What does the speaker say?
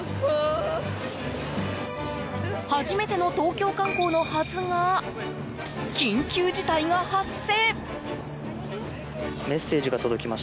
初めての東京観光のはずが緊急事態が発生。